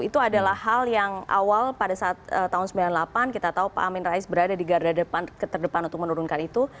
itu adalah hal yang awal pada saat tahun sembilan puluh delapan kita tahu pak amin rais berada di garda depan terdepan untuk menurunkan itu